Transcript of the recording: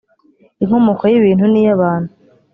inkomoko y’ibintu n’iy’Abantu